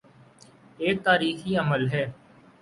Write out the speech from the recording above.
ایک تاریخی عمل ہے۔